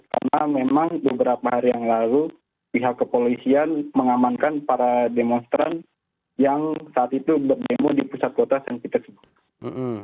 karena memang beberapa hari yang lalu pihak kepolisian mengamankan para demonstran yang saat itu berdemo di pusat kota sankt petersburg